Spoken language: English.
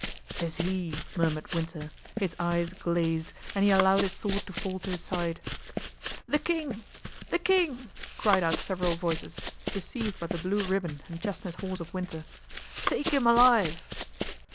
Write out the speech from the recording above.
"'Tis he!" murmured Winter, his eyes glazed and he allowed his sword to fall to his side. "The king! the king!" cried out several voices, deceived by the blue ribbon and chestnut horse of Winter; "take him alive."